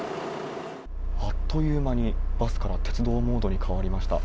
あっという間に、バスから鉄道モードに変わりました。